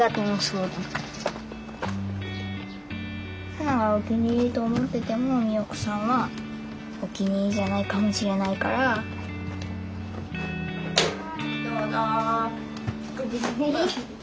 サナがお気に入りと思ってても美代子さんはお気に入りじゃないかもしれないからはいどうぞ。